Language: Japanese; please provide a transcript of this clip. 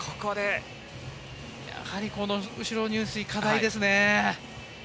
やはり後ろ入水課題ですね。